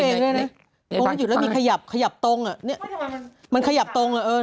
เพราะว่าหยุดแล้วมีขยับขยับตรงอ่ะเนี่ยมันขยับตรงอ่ะเออ